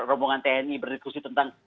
rombongan tni berdiskusi tentang